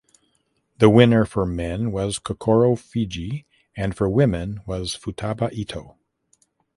The winner for men was Kokoro Fujii and for women was Futaba Ito.